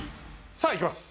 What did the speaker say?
さあいきます。